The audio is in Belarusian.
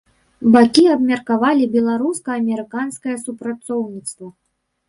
Бакі абмеркавалі беларуска-амерыканскае супрацоўніцтва.